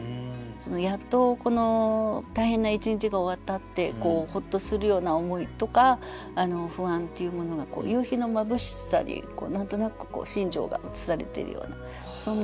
やっとこの大変な一日が終わったってホッとするような思いとか不安っていうものが夕日の眩しさに何となく心情が映されているようなそんな気がします。